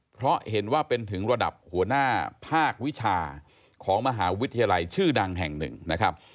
เพราะเห็นว่าเป็นถึงระดับหัวหน้าภาควิชาของมหาวิทยาลัยชื่อดังแห่งหนึ่งนะครับ